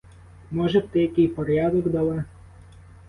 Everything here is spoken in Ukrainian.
Може б, ти який порядок дала?